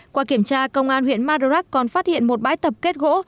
qua kiểm tra công an huyện madurak còn phát hiện một bãi tập kết gỗ